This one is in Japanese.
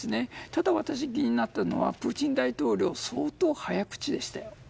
ただ、私が気になったのはプーチン大統領相当、早口でしたよ。